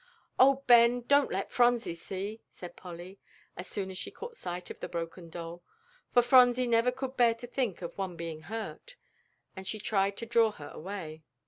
"Oh, Ben, don't let Phronsie see!" cried Polly, as soon as she caught sight of the broken doll, for Phronsie never could bear to think of one being hurt, and she tried to draw her away.